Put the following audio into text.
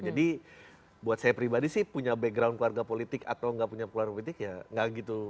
jadi buat saya pribadi sih punya background keluarga politik atau gak punya keluarga politik ya gak gitu